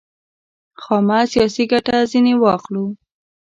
خامه سیاسي ګټه ځنې واخلو.